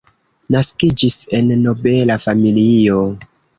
Naskiĝis en nobela familio.